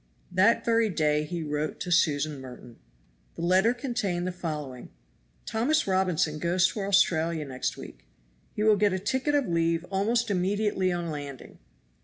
That very day he wrote to Susan Merton. The letter contained the following: "Thomas Robinson goes to Australia next week. He will get a ticket of leave almost immediately on landing.